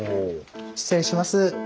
失礼します。